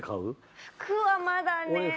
服はまだね。